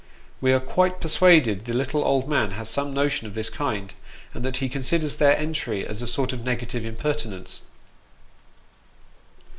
We are quite persuaded the little old man has some notion of this kind, and that he considers their entry as a sort of negative impertinence.